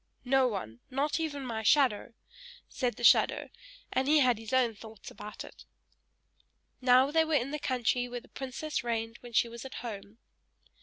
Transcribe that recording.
"No one not even my shadow!" said the shadow, and he had his own thoughts about it! Now they were in the country where the princess reigned when she was at home.